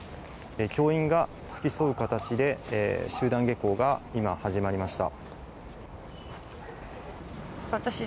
教員が付き添う形で集団下校が今、始まりました。